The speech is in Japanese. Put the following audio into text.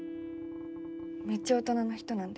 めっちゃ大人の人なんで。